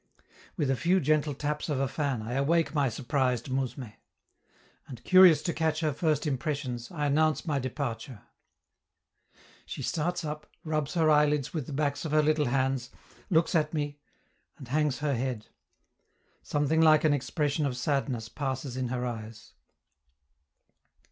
With a few gentle taps of a fan I awake my surprised mousme; and, curious to catch her first impressions, I announce my departure. She starts up, rubs her eyelids with the backs of her little hands, looks at me, and hangs her head: something like an expression of sadness passes in her eyes.